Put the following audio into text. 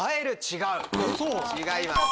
違います。